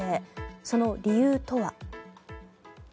その理由とは。